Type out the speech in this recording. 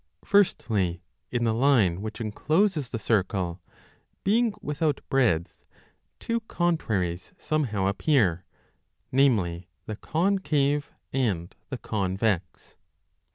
Firstly, in the line which encloses the circle, being without 2 5 breadth, two contraries somehow appear, namely, the concave and the convex.